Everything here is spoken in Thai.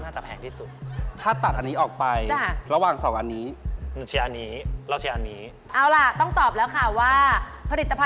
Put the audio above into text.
ใช่ค่ะอมแล้วเคี้ยวอมแล้วดุ